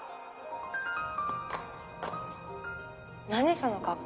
その格好。